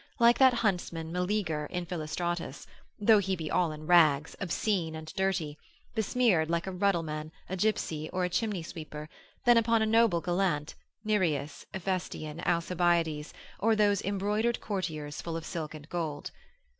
like that huntsman Meleager in Philostratus, though he be all in rags, obscene and dirty, besmeared like a ruddleman, a gipsy, or a chimney sweeper, than upon a noble gallant, Nireus, Ephestion, Alcibiades, or those embroidered courtiers full of silk and gold.